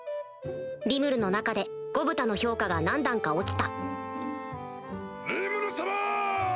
リムルの中でゴブタの評価が何段か落ちたリムル様！